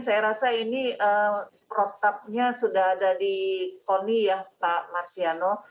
saya rasa ini protapnya sudah ada di koni ya pak marsiano